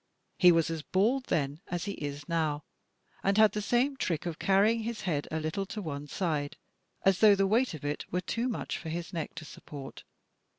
He was as bald then as he is now, and had the same trick of carrying his head a little to one side, as though the weight of it were too much for his neck to support.